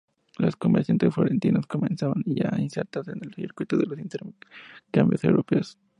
Los comerciantes florentinos comenzaban ya a insertarse en el circuito de los intercambios europeos.